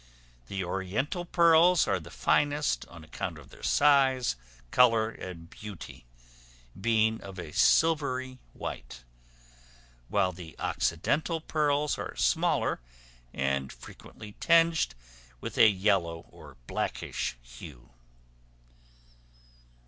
The Oriental pearls are the finest on account of their size, color, and beauty, being of a silvery white; while the Occidental pearls are smaller, and frequently tinged with a yellow or blackish hue.